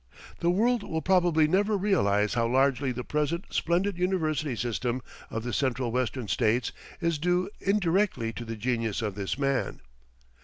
The world will probably never realize how largely the present splendid university system of the Central Western States is due indirectly to the genius of this man.